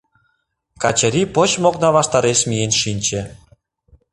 Качырий почмо окна ваштареш миен шинче.